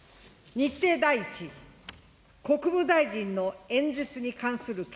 日程第一、国務大臣の演説に関する件